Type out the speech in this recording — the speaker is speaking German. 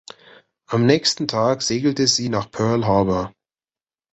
Am nächsten Tag segelte sie nach Pearl Harbor.